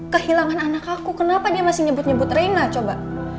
kehilangan anak aku kenapa dia masih nyebut nyebut reina coba